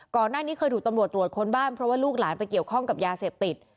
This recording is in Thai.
ก่อนหน้านี้เคยถูกตำรวจตรวจค้นบ้านเพราะว่าลูกหลานไปเกี่ยวข้องกับยาเสพติด